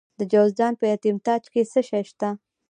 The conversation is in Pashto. د جوزجان په یتیم تاغ کې څه شی شته؟